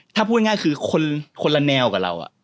ถ้าพูดง่ายคือคนละแนวกับเรา